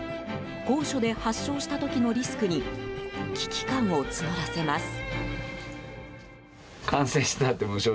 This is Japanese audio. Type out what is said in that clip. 高所で発症した時のリスクに危機感を募らせます。